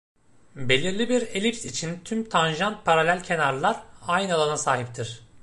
Belirli bir elips için tüm tanjant paralelkenarlar aynı alana sahiptir.